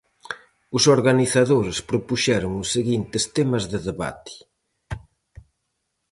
Os organizadores propuxeron os seguintes temas de debate: